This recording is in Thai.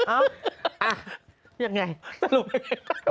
อ้าวยังไงสรุป